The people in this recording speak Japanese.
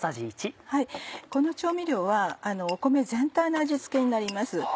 この調味料は米全体の味付けになります。